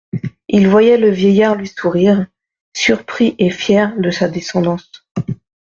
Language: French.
Il voyait le vieillard lui sourire, surpris et fier de sa descendance.